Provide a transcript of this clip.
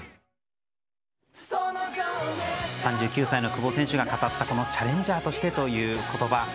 ３９歳の久保選手が語ったチャレンジャーとしてという言葉。